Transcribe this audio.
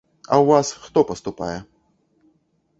А ў вас хто паступае?